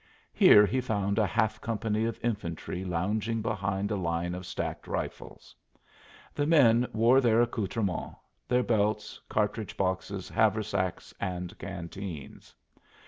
Here he found a half company of infantry lounging behind a line of stacked rifles. The men wore their accoutrements their belts, cartridge boxes, haversacks and canteens.